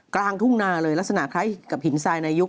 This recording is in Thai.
กลางทุ่งนาเลยลักษณะคล้ายกับหินทรายในยุค